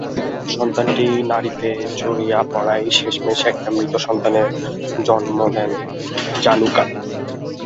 সন্তানটি নাড়িতে জড়িয়ে পড়ায় শেষ মেষ একটি মৃত সন্তানের জন্ম দেন জানুকা।